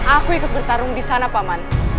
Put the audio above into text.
aku ikut bertarung disana paman